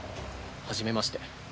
はじめまして。